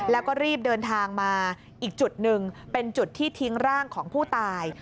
แล้วก็รีบเดินทางมาอีกจุดหนึ่งเป็นจุดที่ทิ้งร่างของผู้ตาย